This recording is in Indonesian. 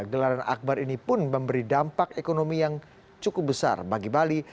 gelaran akbar ini pun memberi dampak ekonomi yang cukup besar bagi bali